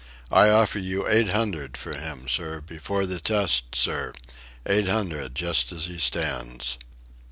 "I offer you eight hundred for him, sir, before the test, sir; eight hundred just as he stands."